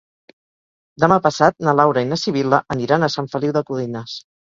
Demà passat na Laura i na Sibil·la aniran a Sant Feliu de Codines.